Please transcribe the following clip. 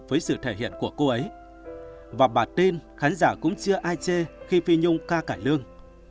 với sự thể hiện của cô ấy và bà tên khán giả cũng chưa ai chê khi phi nhung ca cải lương